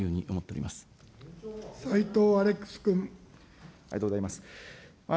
ありがとうございます。